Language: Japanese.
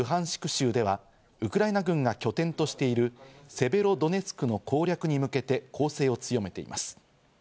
州では、ウクライナ軍が拠点としているセベロドネツクの攻略に向けて攻勢を強めています。